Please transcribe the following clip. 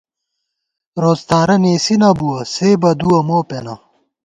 روڅ تارہ نېسی نہ بُوَہ، سے بَدُوَہ مو پېنہ